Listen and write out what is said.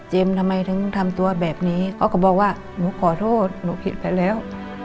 ทำไมถึงทำตัวแบบนี้เขาก็บอกว่าหนูขอโทษหนูผิดไปแล้ว